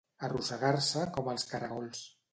Arrossegar-se com els caragols.